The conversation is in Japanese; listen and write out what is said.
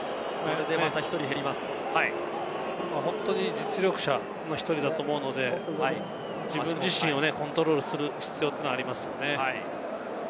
本当に実力者の１人だと思うので、自分自身をコントロールする必要がありますね。